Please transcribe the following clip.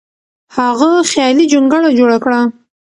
هغه خیالي جونګړه جوړه کړه.